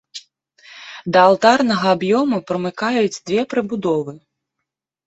Да алтарнага аб'ёму прымыкаюць две прыбудовы.